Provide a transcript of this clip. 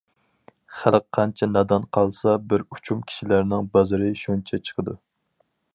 خەلق قانچە نادان قالسا بىر ئۇچۇم كىشىلەرنىڭ بازىرى شۇنچە چىقىدۇ.